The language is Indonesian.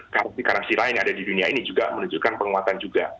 karakter karansi lain yang ada di dunia ini juga menunjukkan penguatan juga